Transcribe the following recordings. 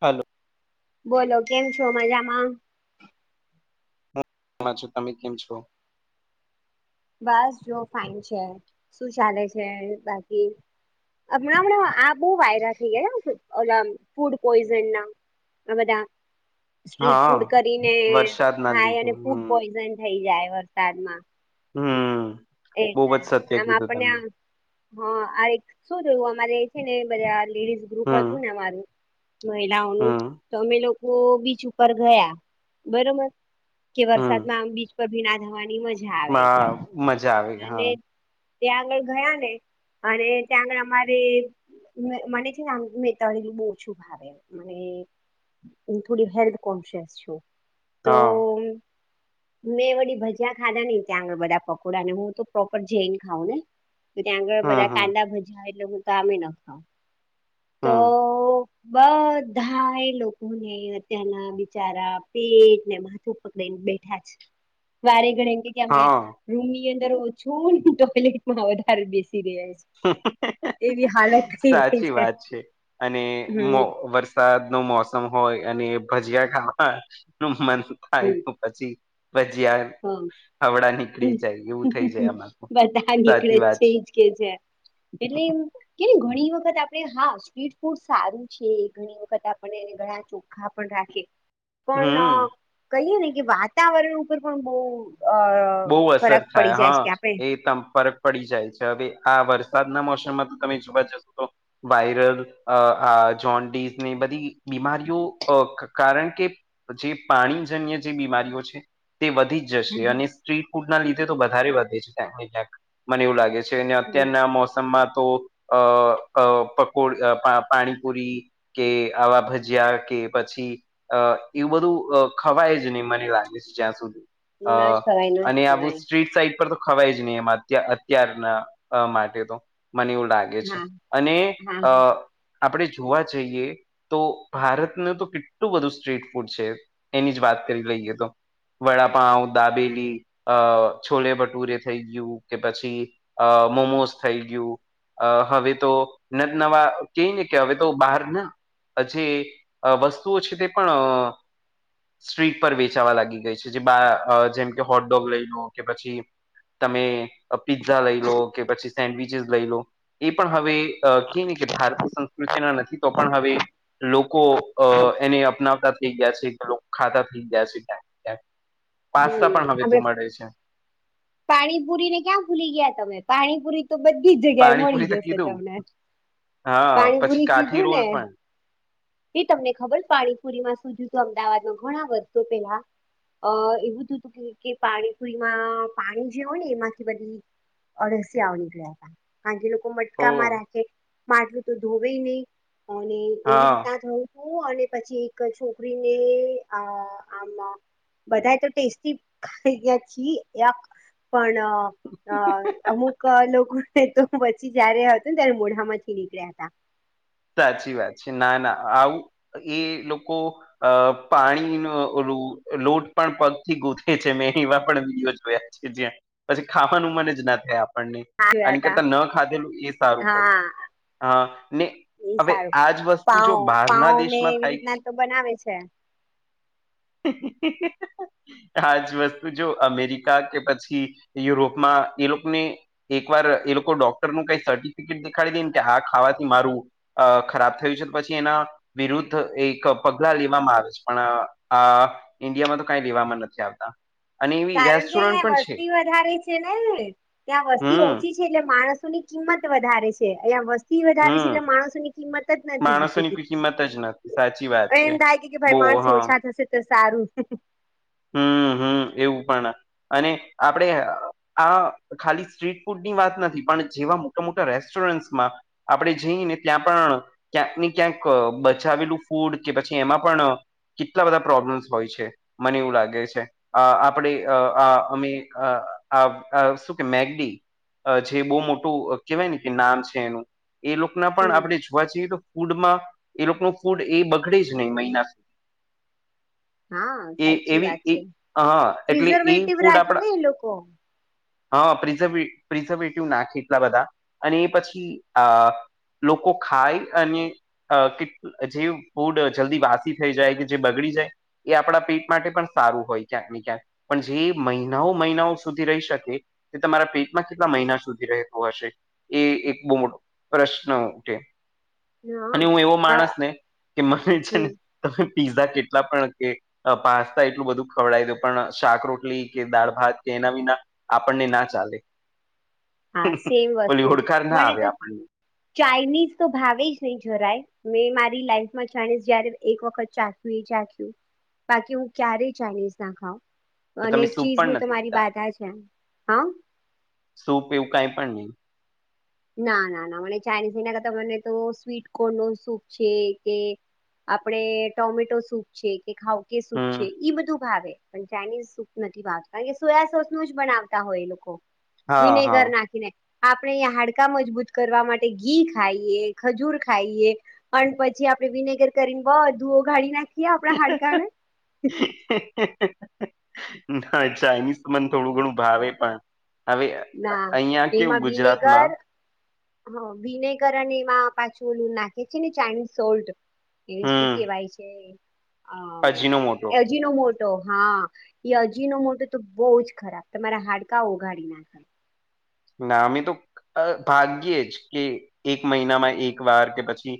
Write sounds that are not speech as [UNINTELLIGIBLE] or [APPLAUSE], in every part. હાલો. બોલો કેમ છો મજામાં? મજા છું. તમે કેમ છો? બસ જો ફાઇન છે, શું ચાલે છે બાકી? હમણાં હમણા આ બહુ વાયરલ થઈ ગયા ઓલા ફૂડ પોઈઝનના આ બધા સ્ટ્રીટ હા ફૂડ કરીને વરસાદ ના ખાય લીધે અને ફૂડ હમ પોઈઝન થઈ જાય વરસાદમાં. હમ્મ ખૂબજ સત્ય કીધું તમે. હા આ એક શું જોયું અમારે છે ને બધા લેડીઝ ગ્રુપ હમ હતું ને અમારું મહિલાઓનું હમ તો અમે લોકો બીચ ઉપર ગયા બરોબર કે હમ વરસાદમાં આમ બીચ પર ભીના થવાની મજા આવે હા એટલા. મજા આવે હા. ત્યાં આગળ ગયા ને, અને ત્યાં આગળ અમારે મે મને છેને આમ મેં તળેલું બહુ ઓછું ભાવે મને હુ થોડી હેલ્થ કોન્શયસ છું. તો હા મેં વળી ભજીયા ખાધા નહીં ત્યાં આગળ વડા પાવ પોડાને હું તો પ્રોપર જૈન ખાઉને તો ત્યાં આગળ હમ બધા હમ કાંદા ભજીયા આવે એટલે હું તો આમે ન ખાઉં તો હમ બધા એ લોકોને અત્યના બિચારા પેટ ને માથું પકડીને બેઠા છે, વારે ઘડીએ એમકે કે અમે હા રૂમની અંદર ઓછું હોય, ટોયલેટ માં વધારે બેસી રહ્યા છે. [INAUDIBLE] એવી હાલત થઈ ગઈ સાચી વાત છે, અને મો હમ વર્ષ સાદ નું મોસમ હોય અને ભજીયા ખાવાનું મન થાય તો પછી ભજીયા હો હવડા નીકળી જાય એવું થઈ જાય [UNINTELLIGIBLE] આમાં તો. બધા સાચી નીકળેજ વાત છે ઇજ કે છે. એટલી કે ઘણી વખત આપણે હા સ્ટ્રીટ ફૂડ સારું છે ઘણી વખત આપણ ને ઘણા ચો ખા પણ રાખે પણઅ હમ કહીએ ને કે, વાતાવરણ ઉપર પણ બહુ અ બહુ અસર ફરક થાય પડી જાય છે હા કે એ આપણે સંપર્ક પડી જાય છે, હવે આ વરસાદના મોસમમાં તો તમે જોવા જશો તો વાયરલ અ આ જોન્ડીઝ ને બધી બીમારીઓ અ ક કારણ કે જે પાણીજન્ય જે બીમારીઓ છે તે વધીજ ન જશે અને સ્ટ્રીટ ફૂડ ના લીધે તો વધારે વધે છે ક્યાંક ને ક્યાંક, મને એવું લાગે છે. છેને અત્યારના મોસમમાં તો અ અ પકોડ અ પા પા પાણીપુરી કે આવા ભજીયા કે પછી અ એવું બધું અ ખવાય જ નહી, મને લાગે છે જ્યાં સુધી. અ નજ ખવાઈ અને આવુ સ્ટ્રીટ સાઈડ પર તો ખવાય જ નહી, એમ અત્યા અત્યારના અ માટે તો મને આવું લાગ ગે છે, હા અને હા અ હા આપણે જોવા જઈએ તો ભારતનું તો કેટલું બધું સ્ટ્રીટ ફૂડ છે, એની જ વાત કરી લઈએ તો વડાપાઉં, દાબેલી અ છોલે ભટુરે થઈ ગયું, કે પછી અ મોમોસ થઈ ગયું. અ હવે તો નવ નવા કઈ ને કે હવે તો બહાર ના અજે અ વસ્તુઓ છે તે પણઅ સ્ટ્રીટ પર વેચાવા લાગી ગઈ છે, જે બા અ જેમ કે હો હોટડોગ લઈ લો, કે પછી તમે અ પીઝા લઈ લો, કે પછી સેન્ડવીચસ લઈ લો, એ પણ હવે કે નહી કે અ ભારતીય સં કૃત્યના નથી તો પણ હવે લોકો અ એને અપનાવતા થઈ ગયા છે, કે લોકો ખાતા થઈ ગયા છે, [UNINTELLIGIBLE] પાસ્તા પણ હવે હમ્મ તું આપ મળે છે પાણીપુરીને ક્યાં ભૂલી ગયા તમે પાણીપુરી તો બધી જગ્યાએ મળી પાણીપુરી તો જશે કીધું તમને. હા પછી પાણીપુરી કાઠી કીધું ને. રોલ પણ એ તમને ખબર પાણીપુરીમાં શું હતું અમદાવાદમાં ઘણા વર્ષો પેલા, અ એવું હતું તુકે પાણીપુરીમાં પાણી જે હોય ને એમાંથી બધી અડસીયાઓ નિકળ્યા હતા કારણકે એ લો કો ઓ મટકામાં રાખે, માટલું તો ધોવે નહીં, અને એવી હા રીતના થયું તુ અને પછી એક છોકરીને આ આમા બધા તો ટેસ્ટ થી ખાઈ ગયા છી યક પણ અ અમુક લોકો તો પછી જયારે હતું ને ત્યારે મોઢા માંથી નીકળ્યા હતા સાચી વાત છે ના ના આવું એ લોકો અ પાણીનો લોટ પણ પગથી ગૂથે છે મેં એવા પણ વિડીયો જોયા જ પછી ખાવાનું મંન જ ના થાય આપ જોયા અને હતા કરતા ન ખાધેલું એ સારું પડે હા હા ને એ હવે સારું આજ વસ્તુ પાઉ જો બહારના પાઉ ને દેશમાં એવી થાય રીતના તો બનાવે છે [INAUDIBLE] આજ વસ્તુ જો અમેરિકા કે પછી યુરોપમાં એ લોકોને એક વાર એ લોકો ડોક્ટર નું કઈ સર્ટિફિકેટ દેખાડી દેને કે આ ખાવાથી મારું અ ખરાબ થયું છે, પછી એના વિરુદ્ધ એક પગલા લેવામાં આવે છે પણ આ ઈન્ડિયામાં તો કઈ લેવામાં નથી આવતા. અને એવી કારણ કે રેસ્ટોરન્ટ અહિયાં પણ છે વસ્તી વધારે છે ને ત્યાં વસ્તી હમ ઓછી એટલે માણસો ની કિંમત વધારે છે અહિયાયા વસ્તી વધારે છે હમ એટલે માણસોની કિંમત જ માણસોની નથી કોઈ કિંમત જ નથી સાચી વાત છે એમ થાય કે બો ભાઈ માણસ હા ઓછા થશે તો સારું. હમ હમ એવું પણ અને આપડે આ ખાલી સ્ટ્રીટ ફૂડ ની વાત નથી પણ જેવા મોટા મોટા રેસ્ટોરન્ટમાં આપણેે જઈને ત્યાં પણ ક્યાંક ને ક્યાંક બચાવેલું ફૂડ કે પછી એમાં પણ કેટલા બધા પ્રોબ્લેમ્સ હોય છે. મને એવું લાગે છે, આ આપણે આ અમે આ શું કે મેગડી જે બહુ મોટું કેહેવાય ને કે નામ છે એનું એ લોકો પણ હમ આપણે જોવા જઈએ તો ફૂડમાં એ લોકો ન ફૂડ એ બગડે જ નહીં મહિના હા એ સાચી એવી વાત એ છે હા એટલે એ પ્રિઝર્વેટિવ ફૂડ રાખી આપડા ને એ લોકો હા પ્રઝ પ્રિઝર્વેટિવ નાખે એટલા બધા અને એ પછી લોકો ખાય અને- અ કે જે ફૂડ જલ્દી વાસી થઈ જાય કે જે બગડી જાય એ આપણા પેટ માટે પણ સારું હોય ક્યાંક ને ક્યાંક પણ જે મહિનાઓ મહિનાઓ સુધી રહી શકે તે તમારા પેટમાં કેટલા મહિના સુધી રહેત હશે. એ એક બહુ મોટો પ્રશ્ન ઉઠે હ અને હું એવો માણસ ને કે મને છે ને હમ તમે પીઝા કેટલા પણ કે પાસ્તા એટલું બધું ખવડાવ દે પણ શાક રોટલી કે દાળ ભાત કે એના વિના આપણને ના ચાલે હા સેમ બલી વસ્તુ હોડકાર ના મને આવે તો આપણને ચાઇનીઝ તો ભાવે જ નહી જરાય મેં મારી લાઈફમાં જાણી જયારે એક વખત ચાખ્યું એ ચખ્યું બાકી હું ક્યારેય ચાઇનીઝ ના ખઉં તો અને તમે એક સૂપ પણ ચીઝની તો નથી મારી પીતા બાધા છે એમ. હા. સૂપ એવું કઈ પણ નહીં. ના ના ના મને ચાઇનીઝ એના કરતા મને તો સ્વીટ કોર્ન નો સૂપ છે કે આપડ ટોમેટો સૂપ છે કે ખઉ કે સૂપ છે હમ બધું ભાવે પણ ચાઇનીઝ સૂપ નથી ભાવત કારણ કે સોયા સોસ નું જ બનાવતા હોય એ લોકો. હા વિનેગર હા નાખીને આપડણે હાડ કા મજબૂત કરવા માટે ઘી ખાઈએ ખજૂર ખાઈએ અને પછી આપડે વિનેગર કરીને બધુ ઓગાળી નાખીએ આપણા હાડકાને. ના ચાાઈનીઝ મને થોડું ઘણું ભાવે પણ હવે ના અહિયાં કેવું એમાં વિનેગર ગુજરાતમાં હ વિનેગર અને એમાં પાછો ઉલુ નાખે છે ને ચાઇનીઝ સોલ્ટ એ શું હમ કેવાય છે, અજીનો મોટો અજી નો મોટો હા અજી નો મોટો તો બહુ જ ખરાબ તમારા હાડકા ઓગાડી નાખે ના અમે તો ભાગ્યે જ કે એક મહિનામાં એક વાર કે પછી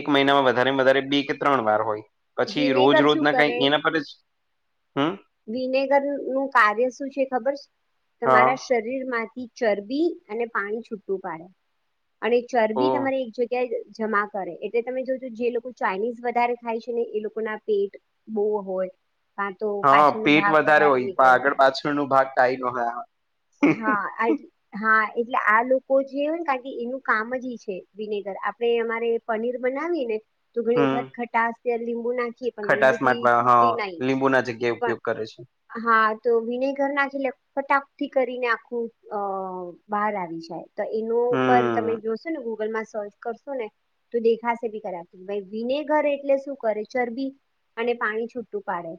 એક મહિનામાં વધારે વધારે બે કે ત્રણ વાર હોય પછી રોજ વિનેગર શું રોજના કઈ કરે એના પર જ હમ્મ વિનેગર નું કાર્ય શું છે ખબર છે હા તમારા શરીર માંથી ચરબી અને પાણી છૂટું પાડે. અને ઓ ચરબી તમારે એક જગ્યાએ જમા કરે એટલે તમે જોજો જે લોકો ચાઇનીઝ વધારે થાય છે ને એ લોકો ના પેટ બહુ હોય કા તો પાછ હા ન પેટ ભાગ વધારે હોય પણ નીકળ્યો આગળ પાછળ નો ભાગ ટાઈ નો હા હા આ હા એટલે આ લોકો જે હોય ને કારણ એનું કામ જ છે વિનેગર આપડ અમારે પનીર બનાવી ને તો ઘણી વખત હમ ખટાસ ત લીંબુ નાખ ખટાસ માટેવા હ લીંબુ ના જગ્યાએ પણ ઉપયોગ કરે છે. હા તો વિનેગર ના છેટલે ફટાકથી કરીને આખું અ બહાર આવી જાય. તો એનો ઉપર તમે હમ જોશો ને ગૂગલમાં સર્ચ કરશો ને ત દેખાશે ભી કરા ભાઈ વિને ઘરે એટલે શું કરે ચરબી અને પાણી છૂટું પાડે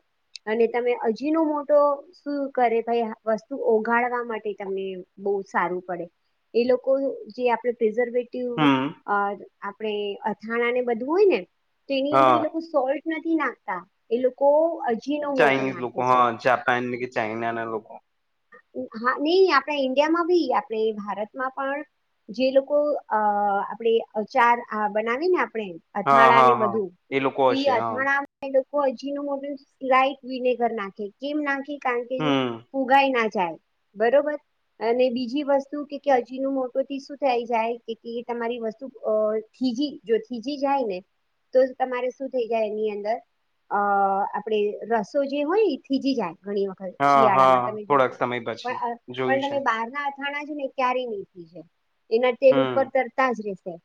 અને તમે હજીનો મોટો શું કરે ભાઈ વસ્તુ ઓગાડવા માટે તમને બહુ સારું પડે. એ લોકો જે આપણે પ્રિઝર્વેટિવ હમ આપડે અથાણા ને બધું હોય ને તો એની અંદર હા એ લોકો સોલ્ટ નથી નાખતા એ લોકો અજીનો મોટો ચાઈનિઝ લકો નાખે છે હા જાપાન નને કે ચાઈના ના લ લોકો હા નહી આપણે ઈન્ડિયામાં ભી આપણે ભારતમાં પણ જે લોકો અ આપડે ચાર બનાવી ને આપણે હા અથાણા હા ને હા બધું એ લોકો તો ઈ હશે હા અથાણા એ લોકો હજી ન મોટું લઈટ વિનેગર નાખે કેમ નાખે કારણ કે હમ ફુગાઈ ના જાય બરોબર. અને બીજી વસ્તુ કે હજી ન મોટોથી શું થઈ જાય કે તમારી વસ્તુ અ થીજી જો થીજી જાય ને તો તમારે શું થઈ જાય એની અંદર અ આપડણે રસો જે હોય થીજી જાય ઘણી વખર હા હા શિયાળામાં તમે થોડાક જોજો સમય પછી પણ જોયું પણ છે તમે બાર ના થાણા છે ને ક્યારેય એના તેલ હમ ઉપર તરતા જ રેશે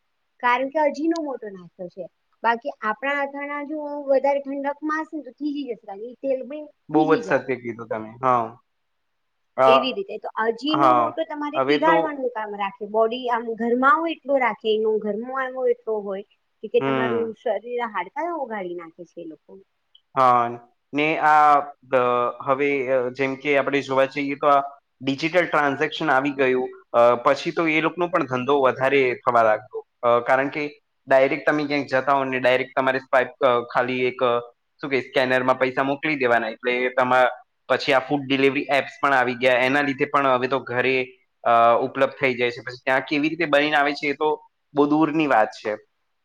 કારણ કે હજીનો મોટો નાખતો છે. બાકી આપણા આથાણા જો વધારે ઠંડક માસ ને તો થીજી જશે બાકી તેલ બ બઉુ જ સત્ય કીધું તમે હા. અ એવી રીતે તો આજી નો હા મોટો તમારે હવે તો પીગાડવાનુ. રાખે બોડી આમ ઘરમાં આવ એટલ રાખે એ ઘરમાં આવ એટલો હોય. કે કે હમ તમારું શરીર હાડકા ઓગાડી નાખે છે એ લોકો. હા ને આ હવે જેમ કે આપણે જોવા જઈએ તો આ ડિજિટલ ટ્રાન્ઝેક્શન આવી ગયું. અ પછી તો એ લોકોનો પણ ધંધો વધારે થવા લાગતો કારણ કે ડાયરેક્ટ તમે ક્યાંક જતા હો ને ડાયરેક્ટ તમારે પાઇપ ખાલી એક શું કે સ્કેનર માં પૈસા મોકલી દેવાના એટલે એ તમા પછી આ ફૂડ ડિલિવરી એપ્સ પણ આવી ગયા એના લીધે પણ હવે તો ઘરે અ ઉપલબ્ધ થઈ જાય છે પછી ત્યાં કેવી રીતે બનીને આવે છે એ તો બહુ દૂરની વાત છે.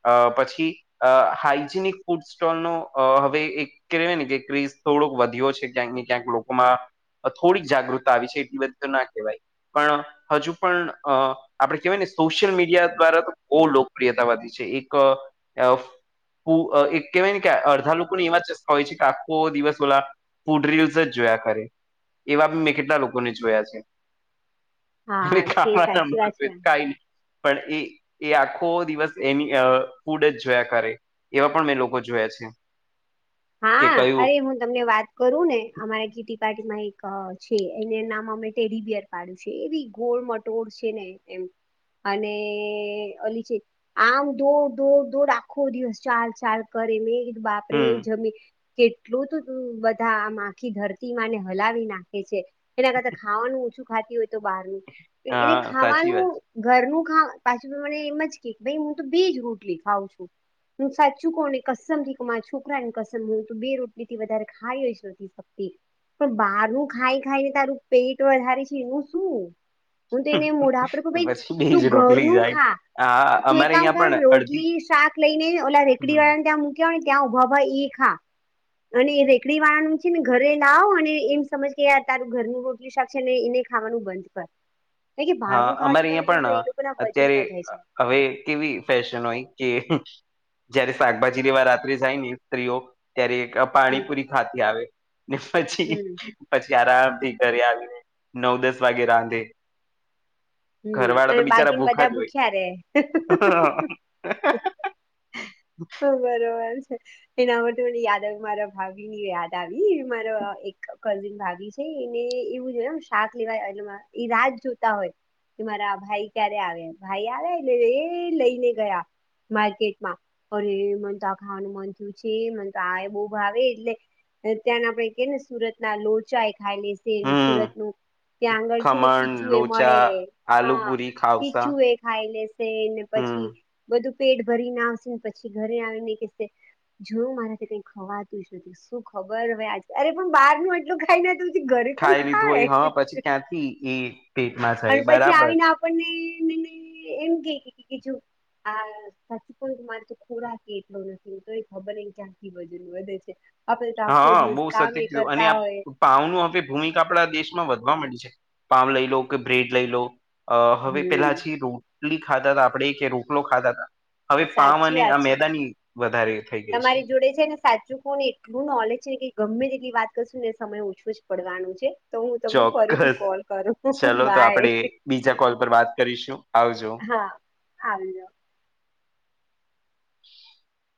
અ પછી અ હાઈજીનિક ફૂડ સ્ટોલનો અ હવે એક કેવાય ને કે ક્રેઝ થોડોક વધ્યો છે ક્યાંક ને ક્યાંક લોકોમાં અ થોડીક જાગૃતતા આવી છે એટલી બધી તો ના કેવાય પણ હજુ પણ અ આપણે કેવાયને સોશિયલ મીડિયા દ્વારા તો બહુ લોકપ્રિયતા વધી છે. એક અ ફુ અ એક કેવાયને કે અર્ધ બધા લોકોને એવા ચસકા હોય છે કે આખો દિવસ ઓલા ફૂડ રીલ્સ જ જોયા કરે. એવા બી મેં કેટલા લોકોને જોયા છે. અરે હા છે સાચી વાત છે [INAUDIBLE] કાઈ ની પણ એ એ આખો દિવસ એની અ ફૂડ જ જોયા કરે. એવા પણ મેં લોકો જોયા છે. હા કે કયું અરે હું તમને વાત કરું ને અમારે કીટી પાર્ટીમાં એક છે એને નામ અમે ટેડીબિયર પાડ્યું છે એવી ગોળમટ ટુડ છે ને એમ અને અલીચે આમ દોડ દોડ દોડ આખો દિવસ ચાલ ચાલ કરે મેં કીધું બાપ રે! હમ કેટલું તો બધા આમ આખી ધરતીમાંને હલાવી નાખે છે. એના કરતા ખાવાનું ઓછું ખાતી હોય તો બહારનું એને હા સાચી વાત ખાવાનું ઘરનું ખા પાછું તો મને એમ જ કે ભઈ હું તો બેજ રોટલી ખાઉં છું. હું સાચું કઉં ને કસમથી કઉં માર છોક છોકરાની કસમ હું તો બે રોટલીથી વધારે ખાઈ જ નથી શક્તી. પણ બહારનું ખાઈ ખાઈ ને તારું પેટ વધારે છે એનું શું? હું તો છે. એને મોઢાપડ તો ભાઈ પછી તું બેજ રોટલી ઘરનું જાય ખા હા તું એક અમારે કામ અહિયાં કર પણ અડધી રોટલી, શાક લઈને ઓલા રેકડી હમ વાળાને ત્યાં મૂક્યાને ત્યાં ઉભા ઉભા ઈ ખા. અને રેકડી વાળાનું છે ને ઘરે લાવો અને એમ સમજ કે આ તારું ઘરનું રોટ રોટલી શાક છે ને એને ખાવાનું બંધ કર. કારણ કે હા બહારનું અમારે ખાવાથી તમે અહીંયા પણ જોજો એ લોકો ના વજન અત્યારે વધે છે હવે કેવી ફેશન હોય કે જયારે શાકભાજી લેવા રાત્રે જાય ને સ્ત્રીઓ ત્યારે એક અ હમ પાણીપુરી ખાતી આવે ને પછી હમ પછી આરામથી ઘરે આવીને નવ દસ વાગે રાંધે હમ ઘરવાળા તો અને બિચારા બાકીને ભૂખા બધા જ ભૂખ્યા રે હોય. હહ બરોબર છે. એના માટે મને યાદ આવે મારા ભાભીની યાદ આવી મારા એક કઝિન ભાભી છે રીને એવું જ હોય એમ શાક લેવા એટલે મારા ઈ રાહ જ જોતા હોય. કે મારા ભાઈ ક્યારે આવે ભાઈ આવે એ લઈને ગયા માર્કેટમાં. અરે મને તો આ ખાવાનું મન થયું છે, મને તો આ એ બહુ ભાવે એટલે અને ત્યાંને આપડે કઈ ને સુરતના લોચાએ ખાઈ લેશે ને, હમ સુરતનું ત્યાં આંગળ છે ને ખમણ ખીચું એ મળે, લોચા હા આલુપુરી ખાવસા ખીચું એ ખાઈ લેશે ને હમ પછી બધું પેટ ભરીને આવશે. પછી ઘરે આવીને કેશે જો મારાથી કઈ ખવાતું જ નથી શું ખબર હવે આજ અરે પણ બારનું એટ એટલું ખાઈ જાય તો પછી ઘરે કોણ ખાય હમ પણ પછી આવીને આપણને એમ કે કે કે જો આ સાચું કઉં તો મારે તો ખોરાકે એટલો નથી તોય ખબર નહીં ક્યાંથી વજન વધે છે. આપણે તો આખો હા દિવસ બહુ સત્ય કામે કીધું અને કરતા આ હોય. પાઉનું હવે ભૂમિકા આપણા દેશમાં વધવા મંડી છે. પાવ લઈ લો, કે બ્રેડ લઈ લો. અ હવે પેલા હમ છે રોટલી ખાતાતા આપણે કે રોટલો ખાતાતા હવે પાવ અને સાચી આ વાત છે મેદાની વધારે થઈ ગઈ છે. તમારી જોડે છે ને સાચું કઉં ને એટલું નોલેજ છે ને કે ગમે તેટલી વાત કરશું ને સમય ઓછો જ પડવાનું છે. તો હું તમને ફરીથી ચોક્કસ કોલ કરું ચલો તો બાય આપણેે બીજા કોલ પર વાત કરીશું આવજો હા